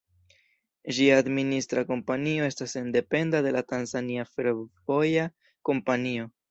Ĝia administra kompanio estas sendependa de la Tanzania Fervoja Kompanio.